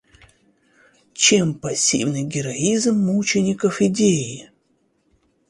чем пассивный героизм мучеников идеи.